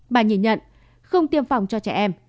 bà nhìn nhận không tiêm phòng cho trẻ em